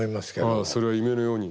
ああそれは夢のように。